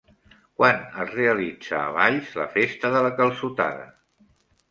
Quan es realitza a Valls la Festa de la Calçotada?